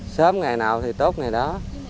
sớm ngày nào thì tốt ngày đó